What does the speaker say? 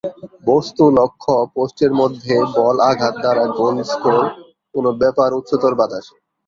বস্তু লক্ষ্য পোস্টের মধ্যে বল আঘাত দ্বারা গোল স্কোর, কোন ব্যাপার উচ্চতর বাতাসে।